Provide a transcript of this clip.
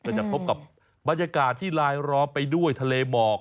จะพบกับบรรยากาศที่ลายล้อมไปด้วยทะเลหมอก